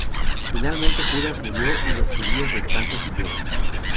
Finalmente Judas murió y los judíos restantes huyeron.